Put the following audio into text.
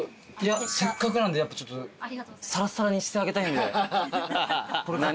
せっかくなんでさらっさらにしてあげたいんで。